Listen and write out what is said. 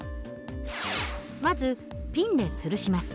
まずピンでつるします。